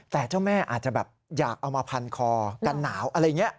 แต่เจ้าแม่อาจจะแบบอยากเอามาพันคอกันหนาวอะไรอย่างนี้